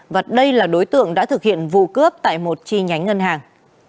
và đây là đối tượng đã thực hiện vụ cướp tại một chi nhánh ngân hàng